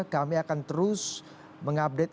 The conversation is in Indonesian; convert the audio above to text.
kami akan terus mengupdate